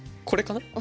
これかな？